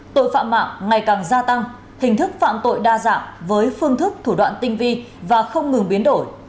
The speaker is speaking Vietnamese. tội phạm mạng ngày càng gia tăng hình thức phạm tội đa dạng với phương thức thủ đoạn tinh vi và không ngừng biến đổi